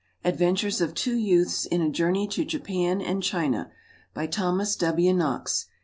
Adventures of Two Youths in a Journey to Japan and China. By THOMAS W. KNOX.